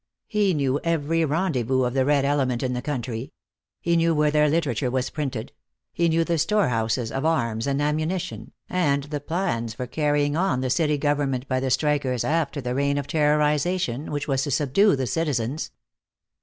He knew every rendezvous of the Red element in the country; he knew where their literature was printed; he knew the storehouses of arms and ammunition, and the plans for carrying on the city government by the strikers after the reign of terrorization which was to subdue the citizens.